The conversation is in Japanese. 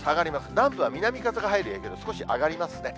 南部は南風が入る影響で、少し上がりますね。